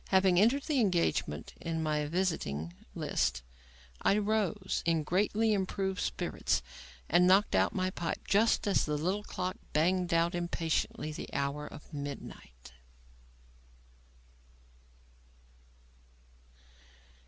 Having entered the engagement in my visiting list, I rose, in greatly improved spirits, and knocked out my pipe just as the little clock banged out impatiently the hour of midnight.